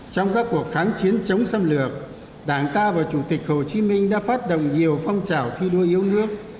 trong các cuộc kháng chiến chống xâm lược đảng ta và chủ tịch hồ chí minh đã phát động nhiều phong trào thi đua yêu nước